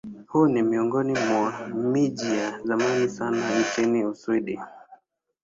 Huu ni miongoni mwa miji ya zamani sana nchini Uswidi.